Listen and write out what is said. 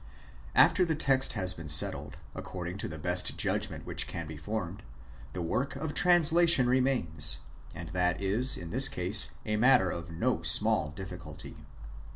After the text has been settled, according to the best judg ment which can be formed, the work of translation remains ; and that is, in this case, a matter of no small difficulty.